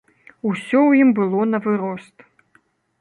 Усё ў ім было навырост.